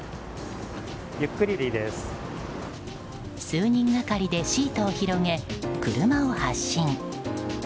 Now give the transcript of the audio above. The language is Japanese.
数人がかりでシートを広げ車を発進。